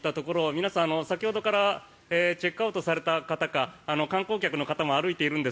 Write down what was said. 皆さん、先ほどからチェックアウトされた方か観光客の方も歩いているんです。